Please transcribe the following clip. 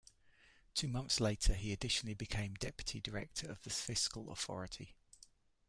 Two months later he additionally became deputy director of the fiscal authority.